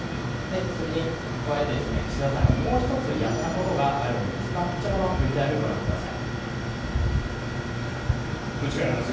それに加えて、岸田さんがもう１つやったことがあるんですがこちらのＶＴＲをご覧ください。